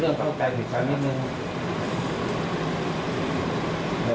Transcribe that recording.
เรื่องต้องแก่ผิดกันนิดหนึ่ง